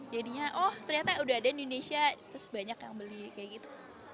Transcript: jadinya oh ternyata udah ada di indonesia terus banyak yang beli kayak gitu